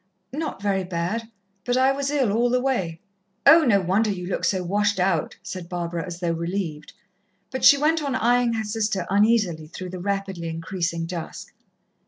"Not very bad, but I was ill all the way." "Oh, no wonder you look so washed out," said Barbara, as though relieved, but she went on eyeing her sister uneasily through the rapidly increasing dusk.